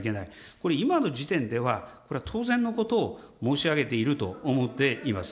これ、今の時点では、当然のことを申し上げていると思っています。